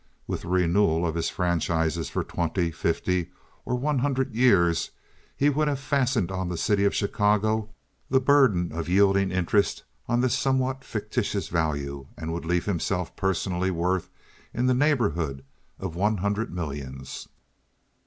With a renewal of his franchises for twenty, fifty, or one hundred years he would have fastened on the city of Chicago the burden of yielding interest on this somewhat fictitious value and would leave himself personally worth in the neighborhood of one hundred millions.